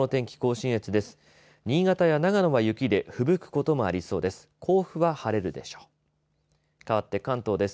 新潟や長野は雪でふぶくこともありそうです。